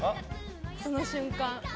その瞬間。